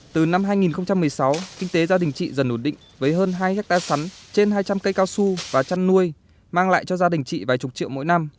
từ năm hai nghìn một mươi sáu kinh tế gia đình chị dần ổn định với hơn hai hectare sắn trên hai trăm linh cây cao su và chăn nuôi mang lại cho gia đình chị vài chục triệu mỗi năm